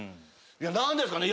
何ですかね？